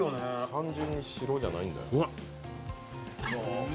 単純に白じゃないんだな。